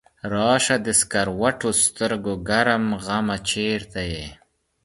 راشه د سکروټو سترګو ګرم غمه چرته یې؟